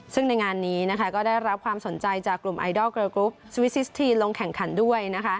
ซึ่งในงานนี้ก็ได้รับความสนใจจากกลุ่มไอดอลเกอร์กรุ๊ปสวิซิสทีนลงแข่งขันด้วย